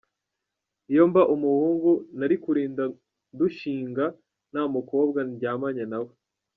Iyo mba umuhungu nari kurinda ndushinga nta mukobwa ndyamanye na we